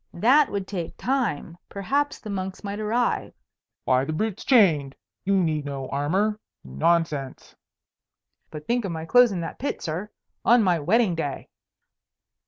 That would take time; perhaps the monks might arrive. "Why, the brute's chained. You need no armour. Nonsense!" "But think of my clothes in that pit, sir, on my wedding day."